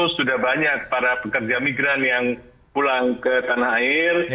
sudah banyak para pekerja migran yang pulang ke tanah air